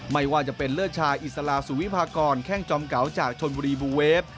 ไม่ว่าจะเป็นเลิศชายอิสลาสุวิพากรแข้งจอมเก๋าจากชนบุรีบูเวฟ